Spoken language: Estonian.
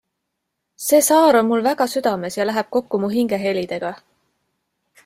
See saar on mul väga südames ja läheb kokku mu hingehelidega.